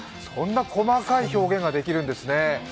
そんな細かい表現ができるんですね。